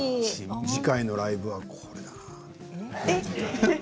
次回のライブはこれだな。